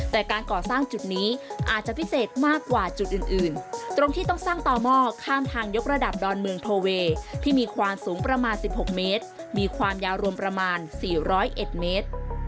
แต่การก่อสร้างจุดนี้อาจจะพิเศษมากกว่าจุดอื่นตรงที่ต้องสร้างต่อหม้อข้ามทางยกระดับดอนเมืองโทเวย์ที่มีความสูงประมาณ๑๖เมตรมีความยาวรวมประมาณ๔๐๑เมตร